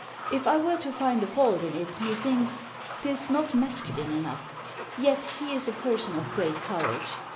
If I were to find a fault in it, methinkes 'tis not masculine enough; yett he is a person of great courage....